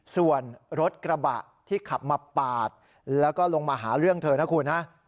ส่วนรถกระบะที่ขับมาปาดแล้วก็ลงมาหาเรื่องเธอนะคุณฮะ